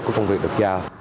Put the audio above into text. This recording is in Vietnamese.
của công việc được giao